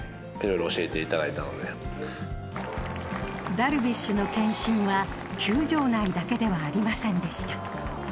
ダルビッシュの献身は球場内だけではありませんでした。